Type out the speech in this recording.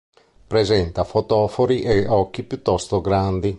Presenta fotofori e occhi piuttosto grandi.